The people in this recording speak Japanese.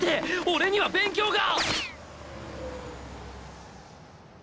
俺には勉強が。